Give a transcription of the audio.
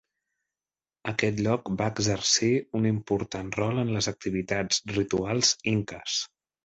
Aquest lloc va exercir un important rol en les activitats rituals inques.